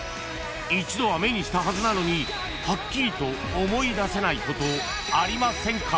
一度は目にしたはずなのにはっきりと思い出せないことありませんか？］